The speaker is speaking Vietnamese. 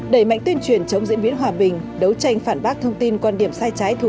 đẩy mạnh tuyên truyền chống diễn biến hòa bình đấu tranh phản bác thông tin quan điểm sai trái thù